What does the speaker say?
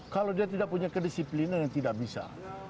kalau dia tidak punya kedisiplinnya dia tidak bisa